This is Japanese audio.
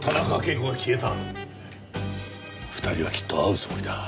２人はきっと会うつもりだ。